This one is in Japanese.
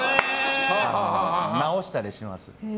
直したりします。